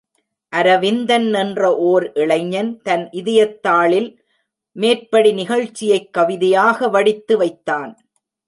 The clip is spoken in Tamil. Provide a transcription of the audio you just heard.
அரவிந்தன் என்ற ஓர் இளைஞன் தன் இதயத்தாளில் மேற்படி நிகழ்ச்சியைக் கவிதையாக வடித்து வைத்தான்.